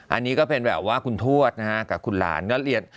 อันนี้ก็เป็นแบบว่าคุณทวดกับคุณหลาน